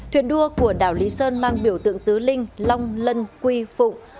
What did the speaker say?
thuyền đua của đảo lý sơn mang biểu tượng tứ linh long lân quy phụ